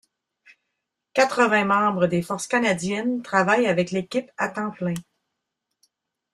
Quatre-vingts membres des Forces canadiennes travaillent avec l'équipe à temps plein.